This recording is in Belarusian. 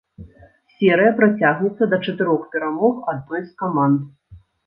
Серыя працягнецца да чатырох перамог адной з каманд.